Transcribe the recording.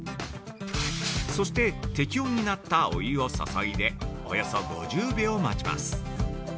そして適温になったお湯を注いで、およそ５０秒待ちます。